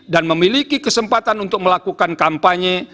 dan memiliki kesempatan untuk melakukan kampanye